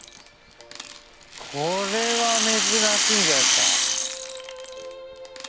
これは珍しいんじゃないっすか？